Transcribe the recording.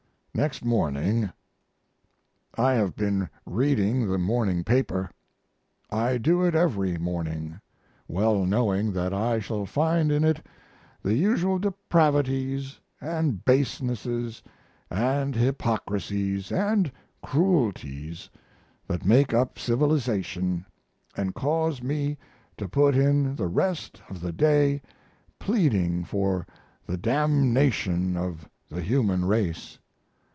Next morning. I have been reading the morning paper. I do it every morning well knowing that I shall find in it the usual depravities & basenesses & hypocrisies and cruelties that make up civilization & cause me to put in the rest of the day pleading for the damnation of the human race.